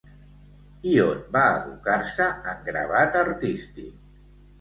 I on va educar-se en gravat artístic?